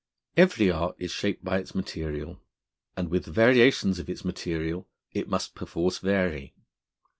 Every art is shaped by its material, and with the variations of its material it must perforce vary.